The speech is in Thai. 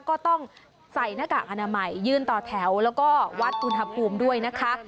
ก็ต้องใส่หน้ากากอนามัยยืนต่อแถวแล้วก็วัดอุณหภูมิด้วยนะคะ